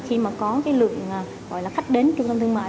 khi có lượng khách đến trung tâm thương mại